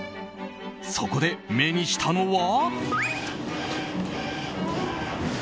そこで目にしたのは。